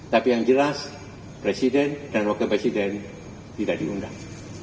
tapi yang jelas presiden dan wakil presiden tidak diundang